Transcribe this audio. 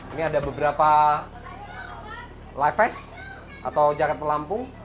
ini ada beberapa lives atau jaket pelampung